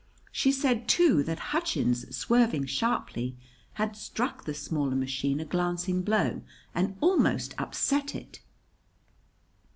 She said, too, that Hutchins, swerving sharply, had struck the smaller machine a glancing blow and almost upset it.